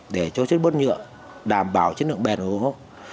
để cho chất bút nhựa đảm bảo chất lượng bền của uống